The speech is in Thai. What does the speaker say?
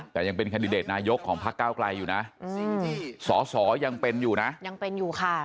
แต่ยังเป็นแคนดิเดตนายกของพักเก้าไกลอยู่นะสอสอยังเป็นอยู่นะยังเป็นอยู่ค่ะ